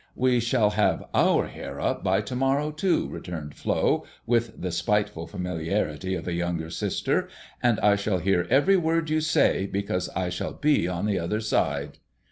"We shall have our hair up to morrow, too," returned Flo, with the spiteful familiarity of a younger sister, "and I shall hear every word you say, because I shall be on the other side."